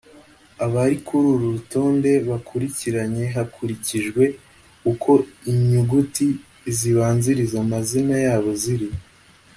abari kuri uru rutonde bakurikiranye hakurikijwe uko inyuguti zibanziriza amazina yabo ziri